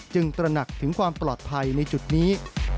ตระหนักถึงความปลอดภัยในจุดนี้